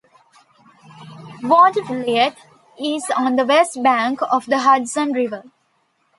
Watervliet is on the west bank of the Hudson River.